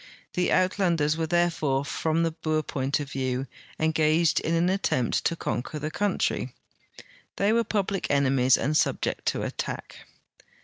The Uitlanders were there fore from the Boer point of view engaged in an attempt to con quer the countiy ; they were public enemies and subject to attack.